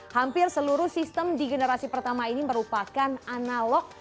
hampir seluruh sistem di generasi pertama ini merupakan analog